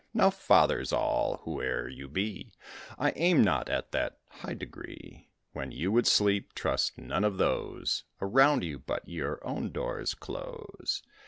Now, fathers all, whoe'er you be (I aim not at that high degree), When you would sleep, trust none of those Around you, but your own doors close.